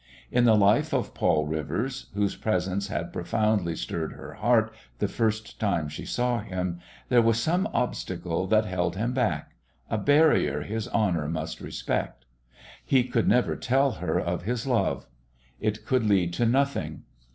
In the life of Paul Rivers, whose presence had profoundly stirred her heart the first time she saw him, there was some obstacle that held him back, a barrier his honour must respect. He could never tell her of his love. It could lead to nothing.